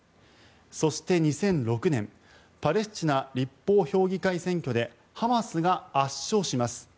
そして２００６年パレスチナ立法評議会選挙でハマスが圧勝します。